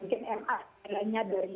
mungkin ma lainnya dari